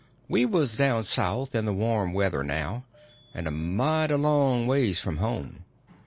We was down south in the warm weather now, and a mighty long ways from home.